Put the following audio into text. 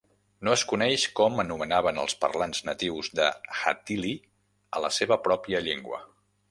No es coneix com anomenaven els parlants natius de "hattili" a la seva pròpia llengua.